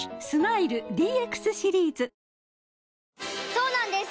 そうなんです